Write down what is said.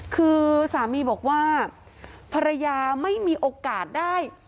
คือสามีบอกว่าภรรยาไม่มีโอกาสได้